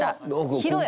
広い。